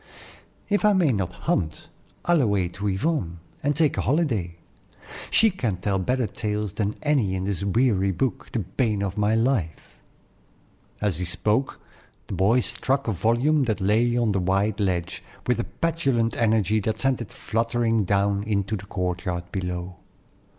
"If I may not hunt, I'll away to Yvonne and take a holiday. She can tell better tales than any in this weary book, the bane of my life!" Pronounced Evone. As he spoke, the boy struck a volume that lay on the wide ledge, with a petulant energy that sent it fluttering down into the court yard below.